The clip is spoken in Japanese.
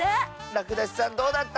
らくだしさんどうだった？